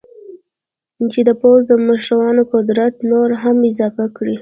چې د پوځ د مشرانو قدرت نور هم اضافه کړي.